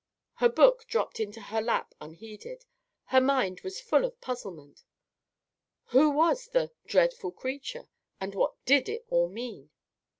Her book dropped into her lap unheeded. Her mind was full of puzzled amazement. Who was the "dreadful creature," and what did it all mean?